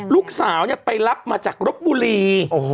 ลูกสาวไปรับมาจากรบบุรี